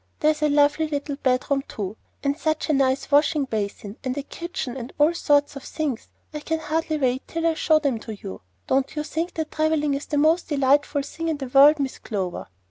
There's a lovely little bedroom too, and such a nice washing basin, and a kitchen, and all sorts of things. I can hardly wait till I show them to you. Don't you think that travelling is the most delightful thing in the world, Miss Clover?"